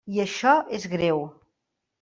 I això és greu.